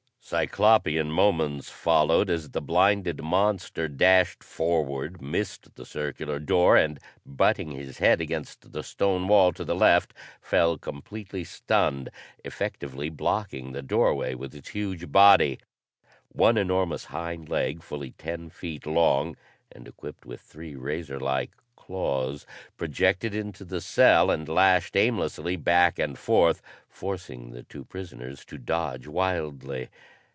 Cyclopean moments followed as the blinded monster dashed forward, missed the circular door, and, butting his head against the stone wall to the left, fell completely stunned, effectively blocking the doorway with its huge body. One enormous hind leg, fully ten feet long, and equipped with three razor like claws, projected into the cell and lashed aimlessly back and forth, forcing the two prisoners to dodge wildly.